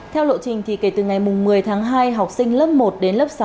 theo lộ trình thì kể từ ngày một mươi tháng hai học sinh lớp một đến lớp sáu